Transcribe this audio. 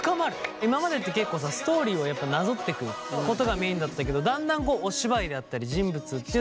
今までって結構さストーリーをやっぱなぞってくことがメインだったけどだんだんお芝居であったり人物っていうのが濃くなった。